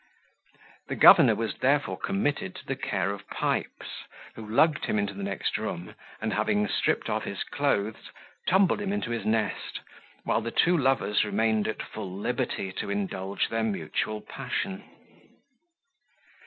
The governor was therefore committed to the care of Pipes, who lugged him into the next room, and having stripped off his clothes, tumbled him into his nest, while the two lovers remained at full liberty to indulge their mutual passion.